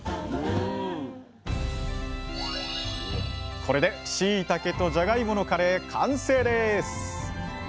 これでしいたけとじゃがいものカレー完成です！